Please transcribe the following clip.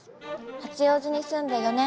八王子に住んで４年。